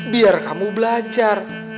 biar kamu belajar